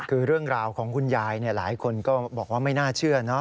คือเรื่องราวของคุณยายหลายคนก็บอกว่าไม่น่าเชื่อเนอะ